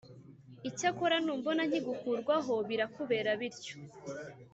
Icyakora numbona nkigukurwaho birakubera bityo